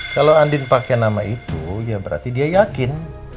kalau andin pakai nama itu ya berarti dia yakin